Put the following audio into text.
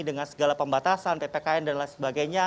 dengan segala pembatasan ppkm dan lain sebagainya